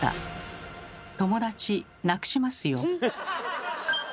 友達なくしますよ。